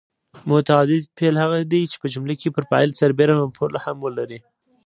متعدي فعل هغه دی چې په جمله کې پر فاعل سربېره مفعول هم لري.